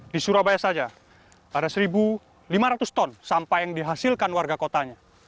di surabaya saja ada satu lima ratus ton sampah yang dihasilkan warga kotanya